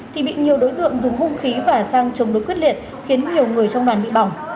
thì bị nhiều đối tượng dùng hung khí và sang trồng đối quyết liệt khiến nhiều người trong đoàn bị bỏng